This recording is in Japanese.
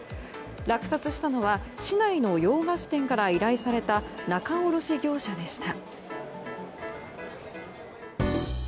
落札したのは市内の洋菓子店から依頼された仲卸業者でした。